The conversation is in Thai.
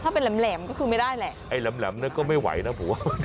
ถ้าแหลมก็คือไม่ได้ไอ้แหลมก็ไม่ไหวนะ